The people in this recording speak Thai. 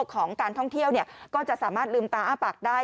ของการท่องเที่ยวก็จะสามารถลืมตาอ้าปากได้